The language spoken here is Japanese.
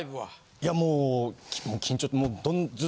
いやもう緊張。